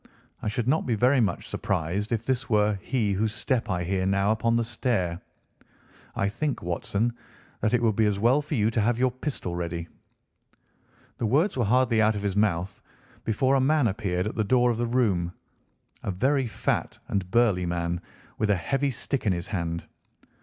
I should not be very much surprised if this were he whose step I hear now upon the stair. I think, Watson, that it would be as well for you to have your pistol ready." The words were hardly out of his mouth before a man appeared at the door of the room, a very fat and burly man, with a heavy stick in his hand.